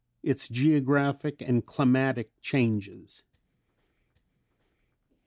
ITS GEOGRAPHIC AND CLIMATIC CHANGES.